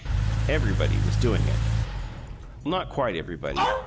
Everybody was doing it. Not quite everybody.